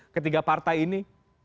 ketiga partai ini